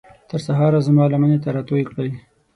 تر سهاره زما لمنې ته راتوی کړئ